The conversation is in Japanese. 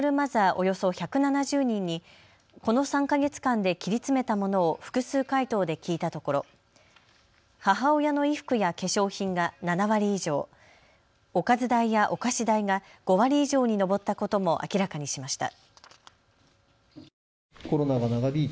およそ１７０人にこの３か月間で切り詰めたものを複数回答で聞いたところ母親の衣服や化粧品が７割以上、おかず代やお菓子代が５割以上に上ったことも明らかにしました。